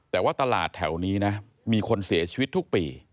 แต่ว่าตลาดแถวนี้นะมีคนเสียชีวิตทุกปี